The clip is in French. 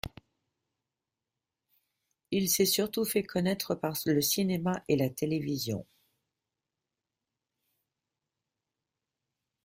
Il s'est surtout fait connaître par le cinéma et la télévision.